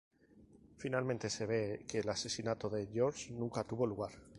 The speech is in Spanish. Finalmente se ve que el asesinato de George nunca tuvo lugar.